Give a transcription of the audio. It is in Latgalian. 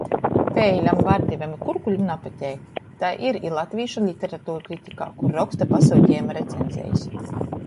Peilem, vardivem i kurkulim napateik. Tai ir i latvīšu literaturkritikā, kur roksta pasyutejuma recenzejis.